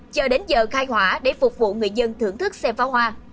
chờ đến giờ khai hỏa để phục vụ người dân thưởng thức xem phá hoa